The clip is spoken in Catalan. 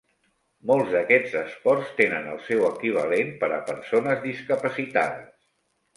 Molts d'aquests esports tenen el seu equivalent per a persones discapacitades.